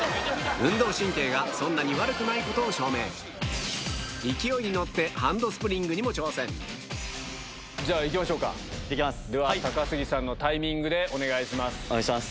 運動神経がそんなに悪くないことを証明勢いに乗ってじゃあ行きましょうかでは高杉さんのタイミングでお願いします。